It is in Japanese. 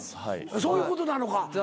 そういうことなのか。